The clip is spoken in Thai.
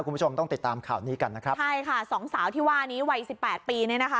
คุณผู้ชมต้องติดตามข่าวนี้กันนะครับใช่ค่ะสองสาวที่ว่านี้วัยสิบแปดปีเนี่ยนะคะ